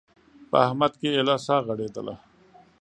په احمد کې ايله سا غړېده.